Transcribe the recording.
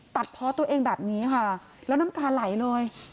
เพาะตัวเองแบบนี้ค่ะแล้วน้ำตาไหลเลย